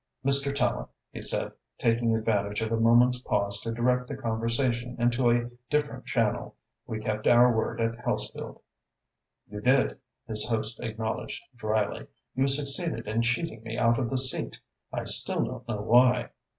"Mr. Tallente," he said, taking advantage of a moment's pause to direct the conversation into a different channel, "we kept our word at Hellesfield." "You did," his host acknowledged drily. "You succeeded in cheating me out of the seat. I still don't know why."